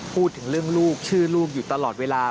พูดถึงเรื่องลูกชื่อลูกอยู่ตลอดเวลา